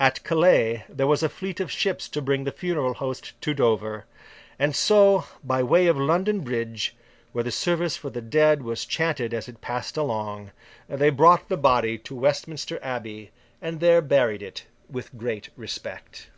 At Calais there was a fleet of ships to bring the funeral host to Dover. And so, by way of London Bridge, where the service for the dead was chanted as it passed along, they brought the body to Westminster Abbey, and there buried it with great respect.